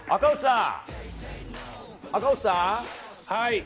赤星さん！